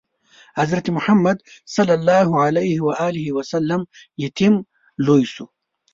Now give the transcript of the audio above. حضرت محمد ﷺ یتیم لوی شو.